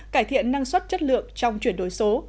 cải thiện năng suất chất lượng trong chuyển đổi số